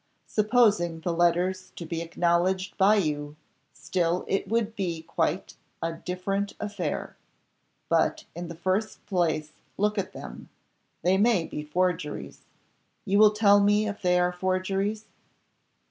"Supposing the letters to be acknowledged by you, still it would be quite a different affair. But in the first place look at them, they may be forgeries. You will tell me if they are forgeries?"